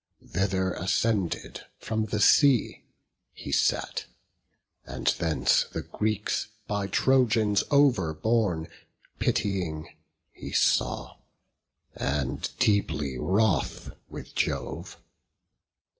Thither ascended from the sea, he sat; And thence the Greeks, by Trojans overborne, Pitying he saw, and deeply wroth with Jove.